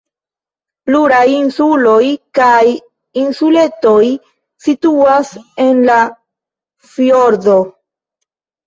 Pluraj insuloj kaj insuletoj situas en la fjordo.